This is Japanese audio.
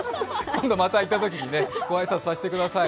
今度また行ったときに御挨拶させてください。